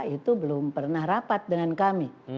itu belum pernah rapat dengan kami